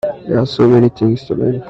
There are so many things to learn.